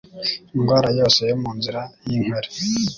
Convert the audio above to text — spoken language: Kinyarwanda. Indwara yose yo mu nzira y'inkari